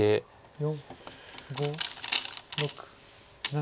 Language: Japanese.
４５６７。